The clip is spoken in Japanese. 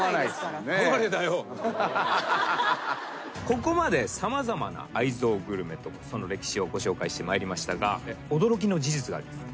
ここまで様々な愛憎グルメとその歴史をご紹介してまいりましたが驚きの事実があります